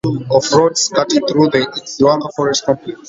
A number of roads cut through the Titiwangsa Forest Complex.